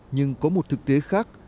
nhưng có một thực tế khác